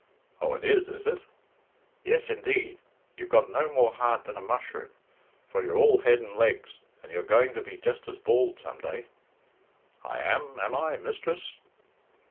"Oh, it is, is it?" "Yes, indeed. You've got no more heart than a mushroom, for you're all head and legs, and you're going to be just as bald some day." "I am, am I, mistress?"